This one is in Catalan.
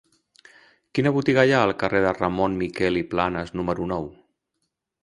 Quina botiga hi ha al carrer de Ramon Miquel i Planas número nou?